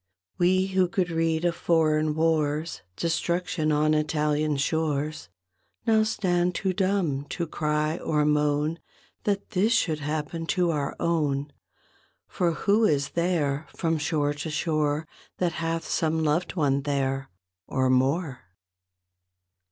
We who could read of foreign wars, Destruction on Italian shores, Now stand too dumb to cry or moan That this should happen to our own; For who is there from shore to shore But hath some loved one there, or more?